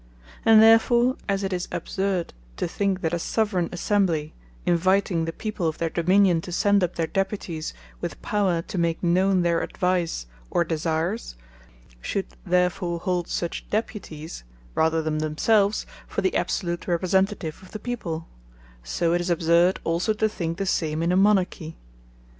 And therefore as it is absurd, to think that a Soveraign Assembly, inviting the People of their Dominion, to send up their Deputies, with power to make known their Advise, or Desires, should therefore hold such Deputies, rather than themselves, for the absolute Representative of the people: so it is absurd also, to think the same in a Monarchy.